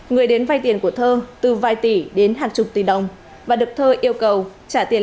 người đến vay tiền của thơ từ vài tỷ đến hàng chục tỷ đồng và được thơ yêu cầu trả tiền